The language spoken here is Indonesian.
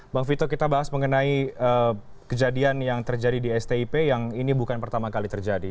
bang vito kita bahas mengenai kejadian yang terjadi di stip yang ini bukan pertama kali terjadi